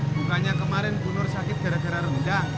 bukannya kemarin bunur sakit gara gara rendang